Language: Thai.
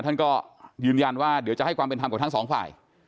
ท่านก็ยืนยันว่าเดี๋ยวจะให้ความเป็นธรรมกับทั้งสองฝ่าย